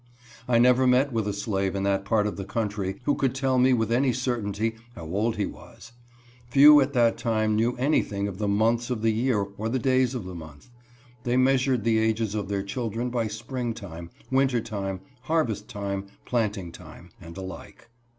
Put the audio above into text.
I never met with a slave in that part of the country who could tell me with any certainty how old he was. Few at that time knew anything of the months of the year or of the days of the month. They measured the ages of their children by spring time, winter time, harvest time, planting time, and the like.